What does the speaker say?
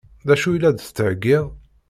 D acu i la d-tettheggiḍ?